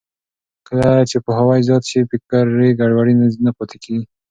کله چې پوهاوی زیات شي، فکري ګډوډي نه پاتې کېږي.